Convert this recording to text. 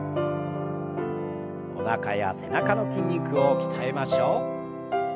おなかや背中の筋肉を鍛えましょう。